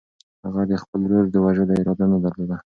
هغه د خپل ورور د وژلو اراده نه درلوده.